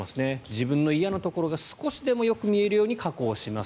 自分の嫌なところが少しでもよく見えるように加工します。